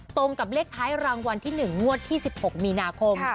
ตรงกับเลขท้ายรางวัลที่๑งวดที่๑๖มีนาคม